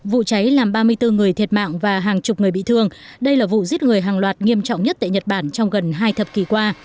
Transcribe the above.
vụ cháy làm ba mươi bốn người thiệt mạng và hàng chục người bị thương đây là vụ giết người hàng loạt nghiêm trọng nhất tại nhật bản trong gần hai thập kỷ qua